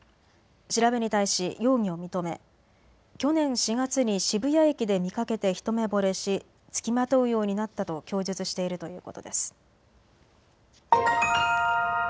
調べに対し容疑を認め、去年４月に渋谷駅で見かけて一目ぼれし付きまとうようになったと供述しているということです。